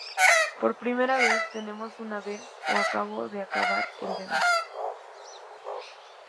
Por "primera vez" tenemos "una vez".O acabo de acabar el deber.